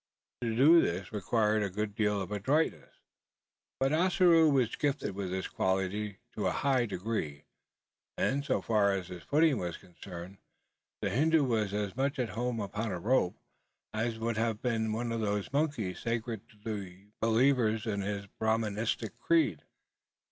To do this required, a good deal of adroitness; but Ossaroo was gifted with this quality to a high degree; and, so far as his footing was concerned, the Hindoo was as much at home upon a rope, as would have been one of those monkeys sacred to the believers in his Brahministic creed.